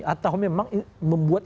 atau memang membuat